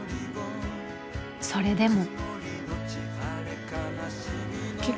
それでも。